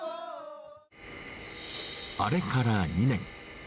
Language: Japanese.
あれから２年。